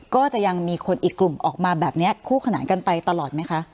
ก็จะมีคนอีกกลุ่มออกมาแบบนี้คู่ขนานกันไปตลอดไหมคะ